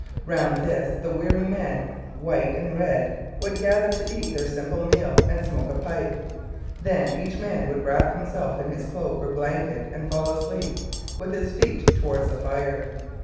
Round this the weary men, white and red, would gather to eat their simple meal and smoke a pipe; then each man would wrap himself in his cloak or blanket and fall asleep, with his feet towards the fire.